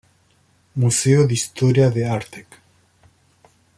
Museo de historia de Artek.